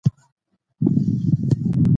ژبه او قوم باید خنډ نه وي.